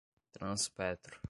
Transpetro